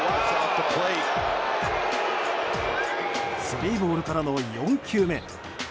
スリーボールからの４球目。